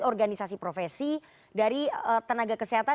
organisasi profesi dari tenaga kesehatan